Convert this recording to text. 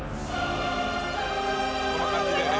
こんな感じだよね